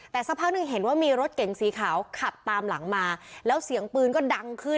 แต่สักพักหนึ่งเห็นว่ามีรถเก๋งสีขาวขับตามหลังมาแล้วเสียงปืนก็ดังขึ้น